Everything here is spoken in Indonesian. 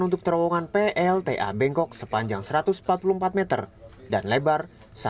untuk terowongan plta bengkok sepanjang satu ratus empat puluh empat meter dan lebar satu